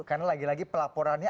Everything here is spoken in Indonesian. karena lagi lagi pelaporannya